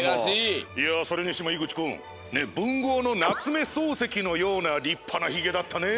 いやそれにしてもひぐち君ぶんごうの夏目漱石のようなりっぱなヒゲだったね。